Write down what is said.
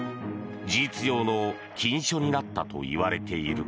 事実上の禁書になったといわれている。